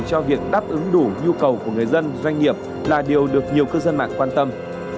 cho việc đáp ứng đủ nhu cầu của người dân doanh nghiệp là điều được nhiều cư dân mạng quan tâm